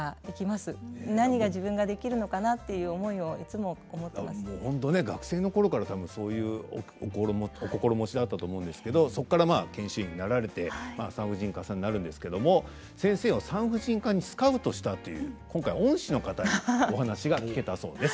もうほんとね学生の頃から多分そういうお心持ちだったと思うんですけどそっからまあ研修医になられて産婦人科さんになるんですけども先生を産婦人科にスカウトしたという今回恩師の方にお話が聞けたそうです。